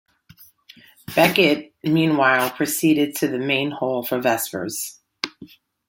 Becket, meanwhile, proceeded to the main hall for vespers.